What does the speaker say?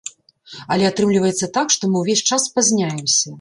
Але атрымлівацца так, што мы ўвесь час спазняемся.